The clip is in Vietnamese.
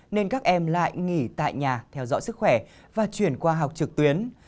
nên các em lại nghỉ tại nhà theo dõi sức khỏe và chuyển qua học trực tuyến